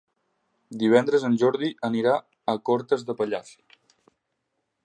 Divendres en Jordi anirà a Cortes de Pallars.